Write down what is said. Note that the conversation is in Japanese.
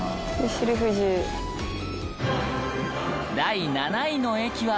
第７位の駅は。